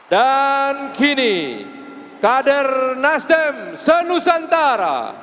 dan kini kader nasdem senusantara